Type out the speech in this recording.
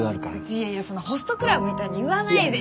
じいやそんなホストクラブみたいに言わないでよ。